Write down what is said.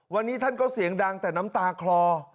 วันนี้ท่านก็เสียงดังแต่น้ำตาคลอ